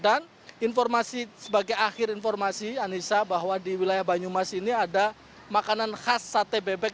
dan informasi sebagai akhir informasi anissa bahwa di wilayah banyumas ini ada makanan khas sate bebek